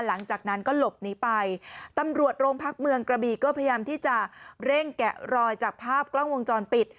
หลังจากนั้นก็หลบหนีไปตำรวจโรงพักเมืองกระบีก็พยายามที่จะเร่งแกะรอยจากภาพกล้องวงจรปิด